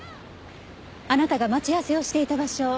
あなたが待ち合わせをしていた場所